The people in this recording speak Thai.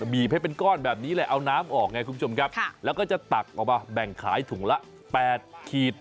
บีบให้เป็นก้อนแบบนี้เลยเอาน้ำออกไงคุณผู้ชมครับแล้วก็จะตักออกมาแบ่งขายถุงละ๘ขีด